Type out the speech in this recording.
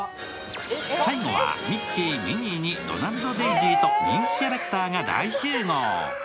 最後はミッキー、ミニーにドナルド、デイジーと人気キャラクターが大集合。